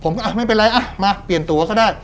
ผมก็ไม่เป็นไรมาเปลี่ยนตัวก็ได้